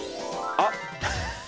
あっ！